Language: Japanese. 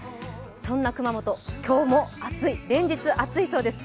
そんな熊本、今日も暑い、連日暑いそうです。